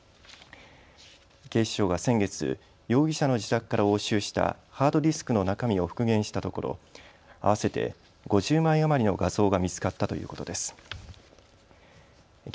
警視庁が先月、容疑者の自宅から押収したハードディスクの中身を復元したところ合わせて５０枚余りの画像が見つかったということです。